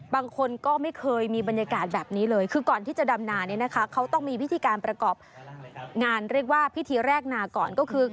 บางคนก็ไม่เคยมีบรรยากาศแบบนี้เลยคือก่อนที่จะดำนาเนี่ยนะคะเขาต้องมีพิธีการประกอบงานเรียกว่าพิธีแรกนาก่อนก็คือ